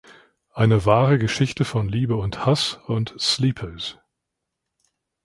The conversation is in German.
Eine wahre Geschichte von Liebe und Hass“ und „Sleepers“.